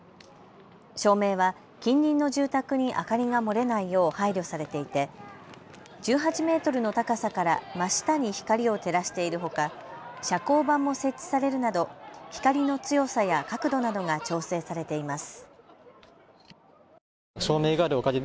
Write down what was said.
照明は近隣の住宅に明かりが漏れないよう配慮されていて１８メートルの高さから真下に光を照らしているほか遮光板も設置されるなど光の強さや角度などが調整されています。